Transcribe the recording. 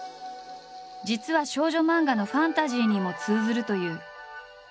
実は少女漫画のファンタジーにも通ずるという。